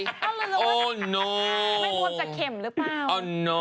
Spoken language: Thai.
ไม่รวมแต่เข็มหรือเปล่า